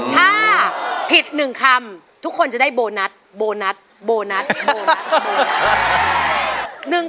ถ้าผิด๑คำทุกคนจะได้โบนัสโบนัสโบนัสโบนัส